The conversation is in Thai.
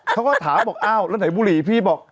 เขาก็ถามบอกอ้าวแล้วไหนบุหรี่พี่บอก